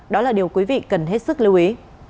đó là điều quý vị cần hết sức lưu ý